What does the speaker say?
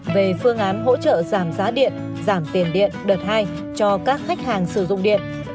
về phương án hỗ trợ giảm giá điện giảm tiền điện đợt hai cho các khách hàng sử dụng điện